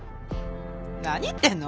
何言ってんの？